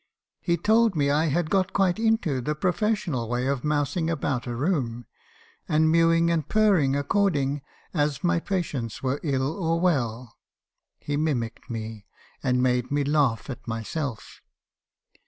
"He told me I had got quite into the professional way of mousing about a room, and mewing and purring according as my patients were ill or well. He mimicked me , and made me laugh at myself.